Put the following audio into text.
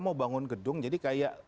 mau bangun gedung jadi kayak